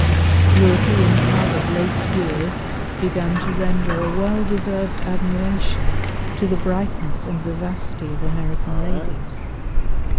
Europeans have of late years begun to render a well deserved admiration to the brightness and vivacity of American ladies.